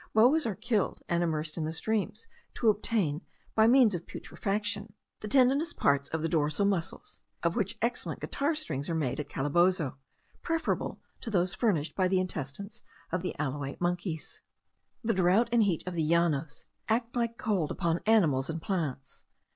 Boas are killed, and immersed in the streams, to obtain, by means of putrefaction, the tendinous parts of the dorsal muscles, of which excellent guitar strings are made at Calabozo, preferable to those furnished by the intestines of the alouate monkeys. The drought and heat of the Llanos act like cold upon animals and plants.